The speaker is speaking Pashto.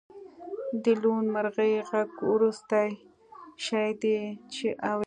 د لوون مرغۍ غږ وروستی شی دی چې اورئ